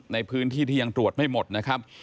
ในพื้นที่ที่ยังตรวจไม่หมดนะครับ